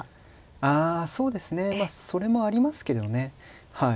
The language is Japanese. あそうですねそれもありますけどねはい。